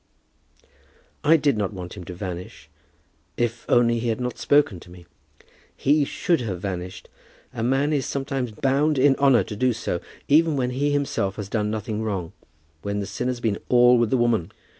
"I did not want him to vanish; if only he had not spoken to me." "He should have vanished. A man is sometimes bound in honour to do so, even when he himself has done nothing wrong; when the sin has been all with the woman.